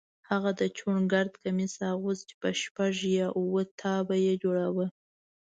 هغه د چوڼ ګرد کمیس اغوست چې په شپږ یا اووه تابه یې جوړاوه.